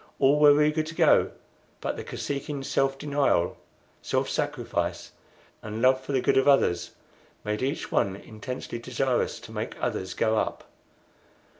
All were eager to go, but the Kosekin self denial, self sacrifice, and love for the good of others made each one intensely desirous to make others go up.